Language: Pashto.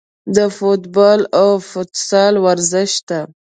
د فوټبال او فوتسال ورزش ته